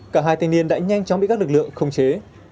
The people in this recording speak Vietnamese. cả hai thanh niên đã nhanh chóng bị các lực lượng khống chế